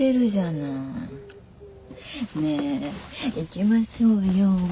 ねぇ行きましょうよ。